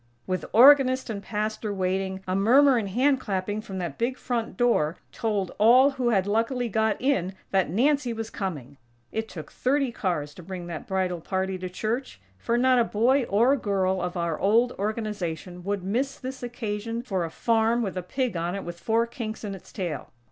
_ With organist and Pastor waiting, a murmur and hand clapping from that big front door told all who had luckily got in that Nancy was coming! It took thirty cars to bring that bridal party to church; for not a boy or girl of our old Organization would miss this occasion for a farm, with a pig on it with four kinks in its tail.